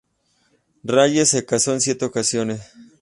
Raye se casó en siete ocasiones.